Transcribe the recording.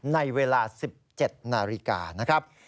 ในเวลา๑๗นาฬิกานะครับ